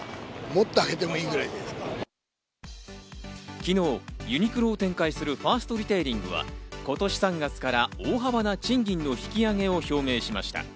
昨日、ユニクロを展開するファーストリテイリングは今年３月から大幅な賃金の引き上げを表明しました。